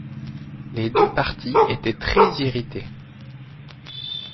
Les deux partis étaient très-irrités.